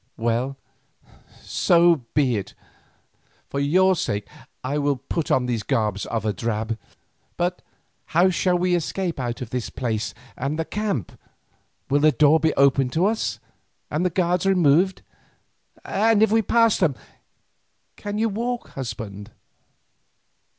Well, so be it, for your sake I will put on these garments of a drab. But how shall we escape out of this place and the camp? Will the door be opened to us, and the guards removed, and if we pass them, can you walk, husband?"